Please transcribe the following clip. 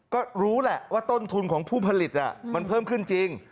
ก็รู้แหละว่าต้นทุนของผู้ผลิตมันเพิ่มขึ้นจริง